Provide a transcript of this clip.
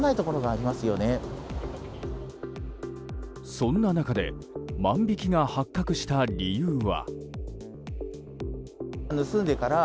そんな中で万引きが発覚した理由は。